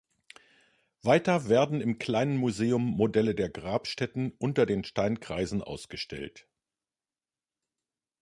Weiter werden im kleinen Museum Modelle der Grabstätten unter den Steinkreisen ausgestellt.